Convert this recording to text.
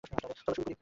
চলো শুরু করি।